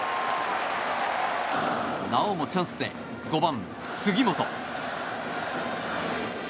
なおもチャンスで５番、杉本。